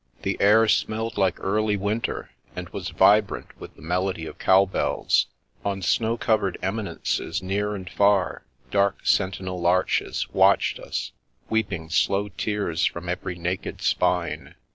The air smelled like early winter, and was vibrant with the melody of cowbdls. On snow covered emi nences near and far, dark, sentinel larches watched us, weeping slow tears from every naked spine.